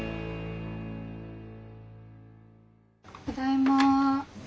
ただいま。